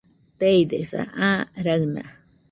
Teidesa, aa raɨna